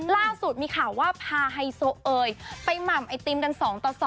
ล่าสุดมีข่าวว่าพาไฮโซเอยไปหม่ำไอติมกัน๒ต่อ๒